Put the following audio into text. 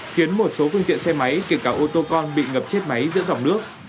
khiến một số phương tiện xe máy kể cả ô tô con bị ngập chết máy giữa dòng nước